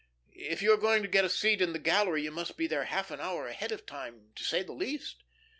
If you are going to get a seat in the gallery, you must be there half an hour ahead of time, to say the least.